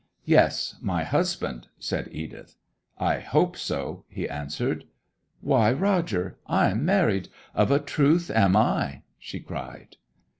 'Yes, my husband,' said Edith. 'I hope so,' he answered. 'Why, Roger, I'm married of a truth am I!' she cried.